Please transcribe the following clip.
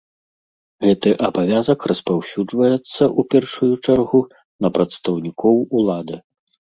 Гэты абавязак распаўсюджваецца, у першую чаргу, на прадстаўнікоў улады.